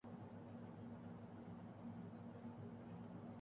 Panama Bahamas leaks میں شامل افراد کی معلومات لینے کی ہدایت